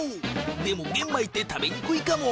でも玄米って食べにくいかも。